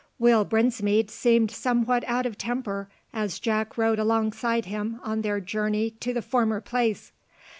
Will Brinsmead seemed somewhat out of temper as Jack rode alongside him on their journey to the former place.